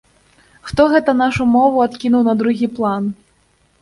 Хто гэта нашу мову адкінуў на другі план?